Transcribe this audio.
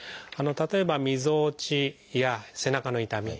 例えばみぞおちや背中の痛み